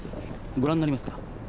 ご覧になりますか？